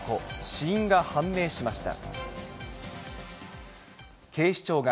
死因が判明しました。